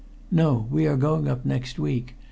"No. We are going up next week.